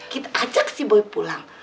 kita ajak si boy pulang